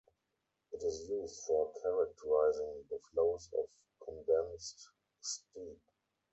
It is used for characterizing the flows of condensed steam.